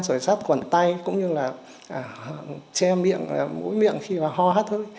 rồi sát quần tay cũng như là che miệng mũi miệng khi ho hát hơi